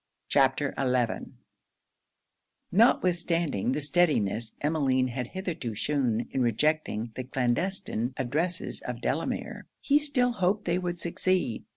CHAPTER XI Notwithstanding the steadiness Emmeline had hitherto shewn in rejecting the clandestine addresses of Delamere, he still hoped they would succeed.